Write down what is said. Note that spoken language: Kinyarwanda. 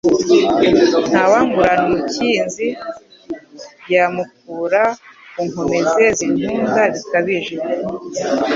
Ntawangurana umukinziByamumukura ku nkomere zinkunda bikabije